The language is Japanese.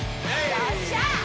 よっしゃあ！